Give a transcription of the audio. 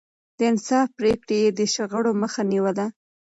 د انصاف پرېکړې يې د شخړو مخه نيوله.